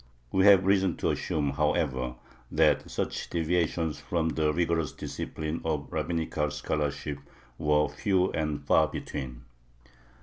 We have reason to assume, however, that such deviations from the rigorous discipline of rabbinical scholarship were few and far between.